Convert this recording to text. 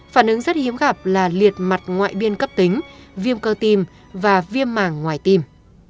phản ứng rất hiếm gặp là liệt mặt ngoại biên cấp tính viêm cơ tim và viêm màng ngoài tim